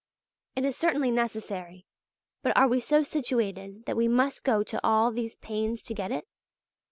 It is certainly necessary; but are we so situated that we must go to all these pains to get it?